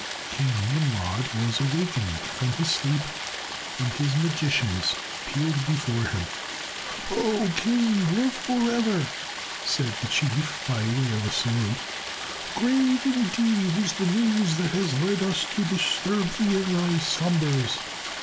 King Nimrod was awakened from his sleep, and his magicians appeared before him. "O King, live for ever," said the chief, by way of salute. "Grave indeed is the news that has led us to disturb thee in thy slumbers.